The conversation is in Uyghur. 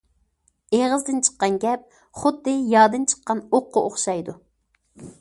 ئېغىزدىن چىققان گەپ خۇددى يادىن چىققان ئوققا ئوخشايدۇ.